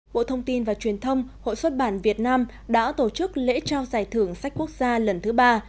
bộ thông tin và truyền thông hội xuất bản việt nam đã tổ chức lễ trao giải thưởng sách quốc gia lần thứ ba